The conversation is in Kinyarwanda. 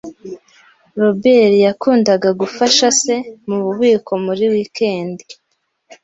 Robert yakundaga gufasha se mububiko muri wikendi.